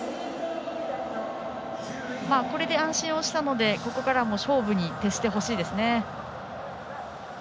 これで安心をしたのでここからは勝負に徹してほしいですね。